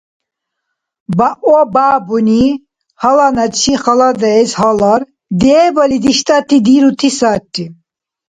Баобабуни гьаланачи, халадаэс гьалар, дебали диштӀати дирути сари.